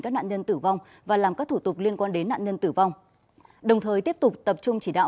các nạn nhân tử vong và làm các thủ tục liên quan đến nạn nhân tử vong đồng thời tiếp tục tập trung chỉ đạo